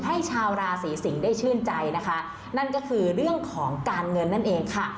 ให้ชาวราศีสิงศ์ได้ชื่นใจนะคะนั่นก็คือเรื่องของการเงินนั่นเองค่ะ